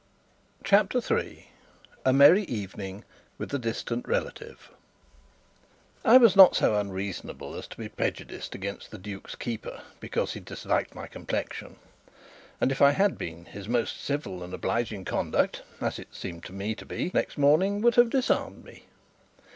CHAPTER 3 A Merry Evening with a Distant Relative I was not so unreasonable as to be prejudiced against the duke's keeper because he disliked my complexion; and if I had been, his most civil and obliging conduct (as it seemed to me to be) next morning would have disarmed me.